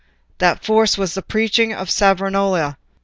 That force was the preaching of Savonarola.